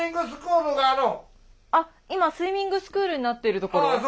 あっ今スイミングスクールになってるところ。